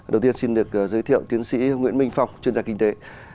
đầu tiên xin được giới thiệu tiến sĩ nguyễn minh phong chuyên gia kinh tế